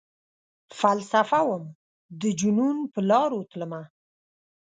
فلسفه وم ،دجنون پرلاروتلمه